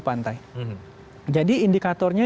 pantai jadi indikatornya